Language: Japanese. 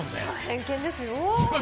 偏見ですよ